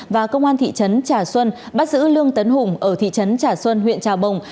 và công an thị trấn trà xuân bắt giữ lương tấn hùng ở thị trấn trà xuân huyện trà bồng